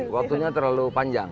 waktunya terlalu panjang